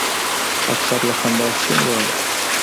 افسر له خندا شين واوښت.